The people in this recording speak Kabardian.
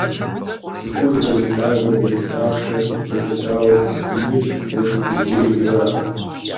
ЦӀыхур зэрылъагэ-зэрылъахъшэ елъытауэ «иныжь» е «цӀыкӀужьей» жаӀэ.